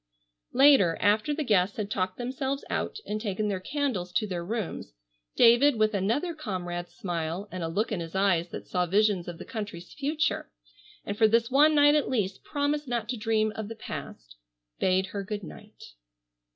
Later, after the guests had talked themselves out and taken their candles to their rooms, David with another comrade's smile, and a look in his eyes that saw visions of the country's future, and for this one night at least promised not to dream of the past, bade her good night.